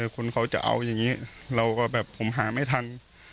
คนเขาจะเอาอย่างนี้เราก็แบบผมหาไม่ทัน